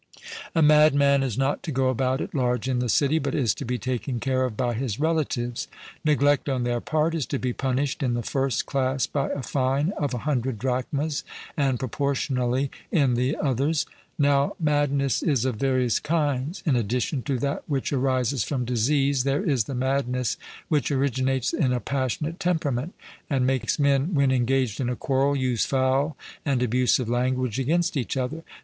A madman is not to go about at large in the city, but is to be taken care of by his relatives. Neglect on their part is to be punished in the first class by a fine of a hundred drachmas, and proportionally in the others. Now madness is of various kinds; in addition to that which arises from disease there is the madness which originates in a passionate temperament, and makes men when engaged in a quarrel use foul and abusive language against each other.